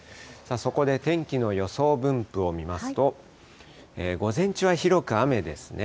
そこで天気の予想分布を見ますと、午前中は広く雨ですね。